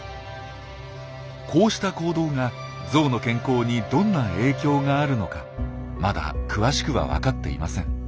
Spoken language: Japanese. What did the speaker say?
こうした行動がゾウの健康にどんな影響があるのかまだ詳しくはわかっていません。